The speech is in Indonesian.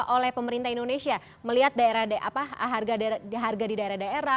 oleh pemerintah indonesia melihat harga di daerah daerah